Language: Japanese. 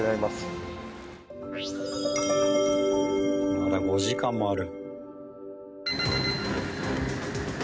まだ５時間もある。